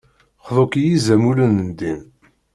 Xḍu-k I yizamulen n ddin.